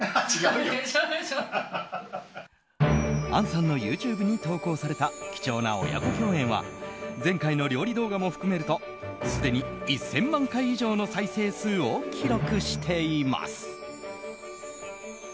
杏さんのＹｏｕＴｕｂｅに投稿された貴重な親子共演は前回の料理動画も含めるとすでに１０００万回以上の再生数を記録しています。